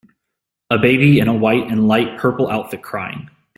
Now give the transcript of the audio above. A baby in a white and light purple outfit crying